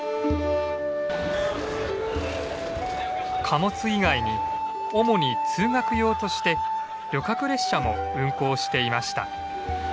貨物以外に主に通学用として旅客列車も運行していました。